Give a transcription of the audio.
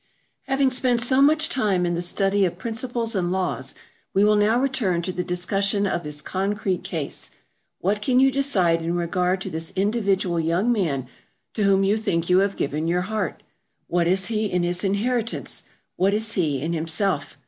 Having spent so much time in the study of principles and laws, we will now return to the discussion of this concrete case. What can you decide in regard to this individual young man to whom you think you have given your heart? What is he in his inheritance? What is he in himself?